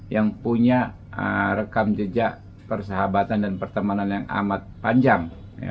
yang punya rekam jejak persahabatan dan pertemanan yang amat panjang